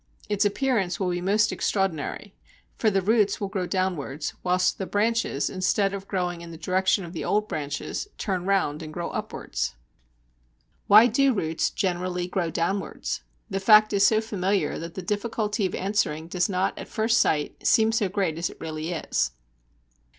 Its appearance will be most extraordinary, for the roots will grow downwards, whilst the branches, instead of growing in the direction of the old branches, turn round and grow upwards. Kerner and Oliver, l.c., vol. 1, p. 88. Why do roots generally grow downwards? The fact is so familiar that the difficulty of answering does not, at first sight, seem so great as it really is.